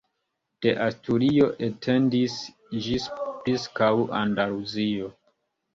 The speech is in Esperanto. De Asturio etendis ĝis preskaŭ Andaluzio.